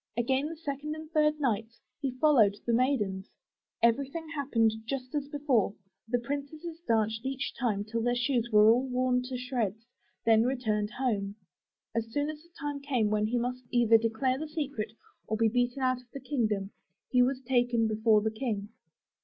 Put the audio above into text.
Again the second and third nights, he followed the maidens. Everything happened just as before; the princesses danced each time till their shoes were all worn to shreds and then returned home. As soon as the time came when he must either declare the secret, or be beaten out of the kingdom, he was taken before the King.